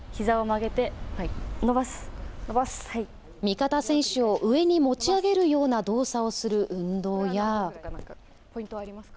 味方選手を上に持ち上げるような動作をする運動や。